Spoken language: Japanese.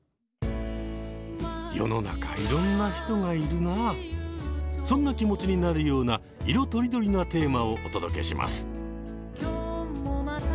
世の中そんな気持ちになるような色とりどりなテーマをお届けします。